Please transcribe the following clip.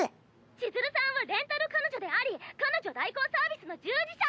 千鶴さんはレンタル彼女であり彼女代行サービスの従事者。